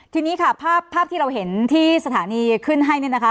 ทีนี้ค่ะภาพที่เราเห็นที่สถานีขึ้นให้เนี่ยนะคะ